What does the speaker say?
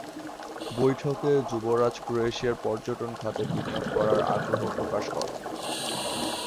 বৈঠকে, যুবরাজ, ক্রোয়েশিয়ার পর্যটন খাতে বিনিয়োগ করার আগ্রহ প্রকাশ করেন।